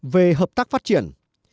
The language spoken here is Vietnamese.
về hợp tác phát triển